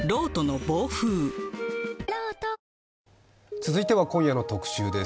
続いては今夜の特集です。